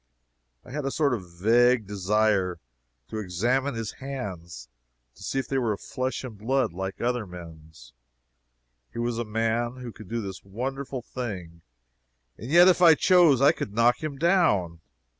I had a sort of vague desire to examine his hands and see if they were of flesh and blood, like other men's. Here was a man who could do this wonderful thing, and yet if I chose I could knock him down.